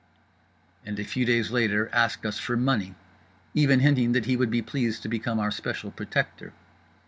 _" and a few days later asked us for money, even hinting that he would be pleased to become our special protector.